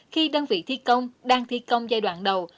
khi đơn vị thi công đang thi công giai đoạn đầu